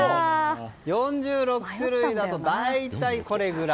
４６種類だと大体、これくらい。